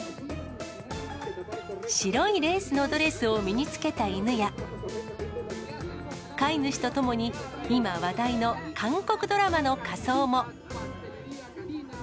白いレースのドレスを身につけた犬や、飼い主と共に、今話題の韓国ドラマの仮装も。